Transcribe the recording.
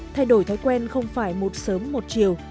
thay đổi thói quen không phải một sớm một chiều